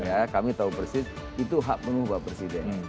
saya tahu persis itu hak penuh pak presiden